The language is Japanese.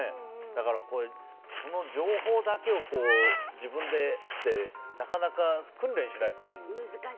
だからその情報だけを自分でってなかなか訓練しないと。